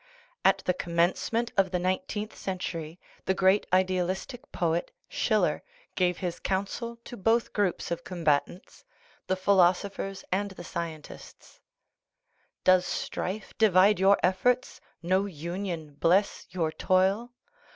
At the commencement of the nineteenth century the great idealistic poet, Schiller, gave his counsel to both groups of combatants, the philosophers and the sci entists :" Does strife divide your efforts no union bless your toil